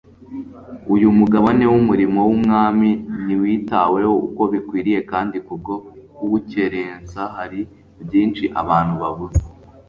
uyu mugabane w'umurimo w'umwami ntiwitaweho uko bikwiriye, kandi kubwo kuwukerensa, hari byinshi abantu babuze